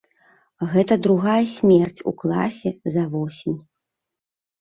Гэта другая смерць у класе за восень.